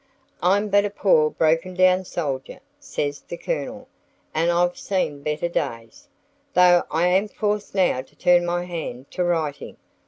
"I'm but a poor broken down soldier," says the Colonel, "and I've seen better days, though I am forced now to turn my hand to writing.